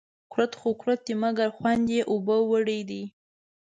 کورت خو کورت دي ، مگر خوند يې اوبو وړى دى